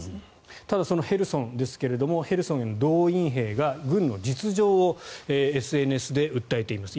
ただそのヘルソンですがヘルソンへの動員兵が軍の実情をＳＮＳで訴えています。